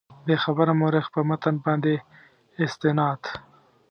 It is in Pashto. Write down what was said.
بېخبره مورخ په متن باندې استناد.